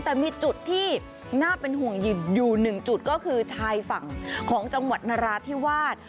แต่มีจุดที่น่าเป็นห่วงอยู่หนึ่งจุดก็คือชายฝั่งของจังหวัดนราธิวาส